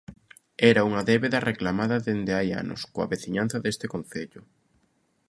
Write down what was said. Era unha débeda, reclamada dende hai anos, coa veciñanza deste concello.